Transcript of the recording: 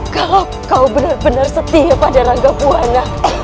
kalau kau benar benar setia pada rangka puana